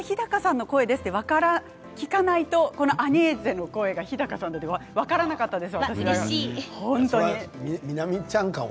日高さんの声ですと聞かないとこのアニェーゼの声が日高さんと分からなかったです。